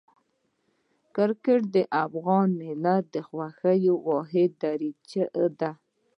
کرکټ د افغان ملت د خوښۍ واحده دریڅه ده.